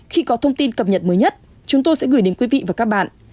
khi có thông tin cập nhật mới nhất chúng tôi sẽ gửi đến quý vị và các bạn